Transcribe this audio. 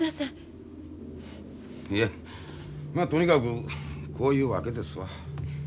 いえまとにかくこういうわけですわ。